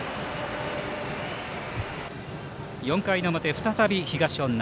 ４回の表、再び東恩納。